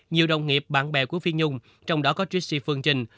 nhiều đồng nghiệp bạn bè của phi nhung trong đó có tristi phương trinh